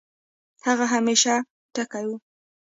هغه همېشه ټکے وۀ